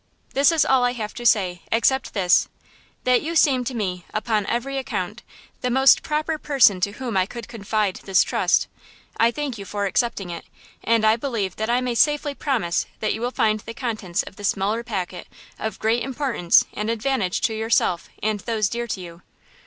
"This is all I have to say, except this–that you seemed to me, upon every account, the most proper person to whom I could confide this trust. I thank you for accepting it, and I believe that I may safely promise that you will find the contents of the smaller packet of great importance and advantage to yourself and those dear to you."